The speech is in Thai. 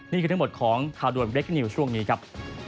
นี่คือทั้งหมดของข่าวด่วนเรคนิวช่วงนี้ครับ